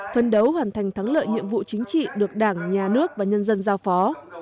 phân đấu hoàn thành thắng lợi nhiệm vụ chính trị được đảng nhà nước và nhân dân giao phó